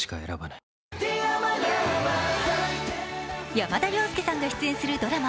山田涼介さんの出演するドラマ